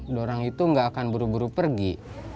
dua orang itu nggak akan buru buru pergi